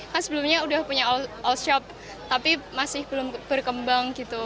kan sebelumnya udah punya all shop tapi masih belum berkembang gitu